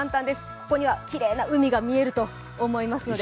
ここにはきれいな海が見えると思いますので。